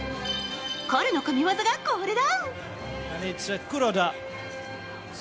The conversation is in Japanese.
彼の神技がこれだ！